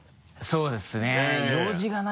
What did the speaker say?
そうですよね。